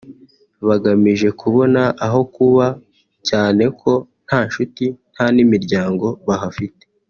bagamije kubona aho kuba cyane ko nta nshuti nta n’imiryango bahafite